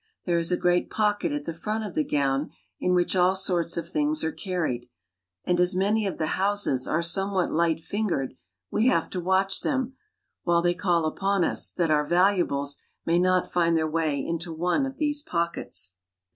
There is a great pocket at the front of the gown, in which all sorts of things are carried ; and as many of the Hausas are somewhat light fingered, we have to watch them, while they call upon us, that our valuables may not find their way into one of these pockets.